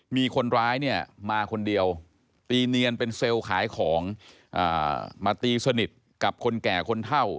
มีคนร้ายเนี่ยมาคนเดียวตีเนียนเป็นเซลล์ขายของมาตีสนิทกับคนแก่คนเท่า